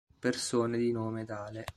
Persone di nome Dale